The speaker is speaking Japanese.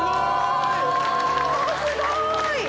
すごーい！